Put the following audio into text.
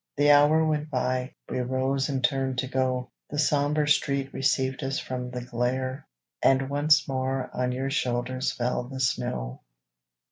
The hour went by, we rose and turned to go, The somber street received us from the glare, And once more on your shoulders fell the snow.